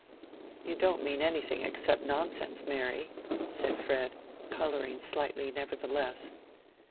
"You don't mean anything except nonsense, Mary?" said Fred, coloring slightly nevertheless.